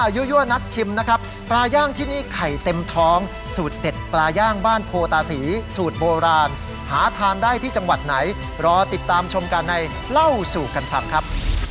ยั่วนักชิมนะครับปลาย่างที่นี่ไข่เต็มท้องสูตรเด็ดปลาย่างบ้านโพตาศรีสูตรโบราณหาทานได้ที่จังหวัดไหนรอติดตามชมกันในเล่าสู่กันฟังครับ